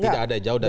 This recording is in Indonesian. tidak ada jauh dari